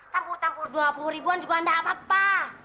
campur campur dua puluh ribuan juga tidak apa apa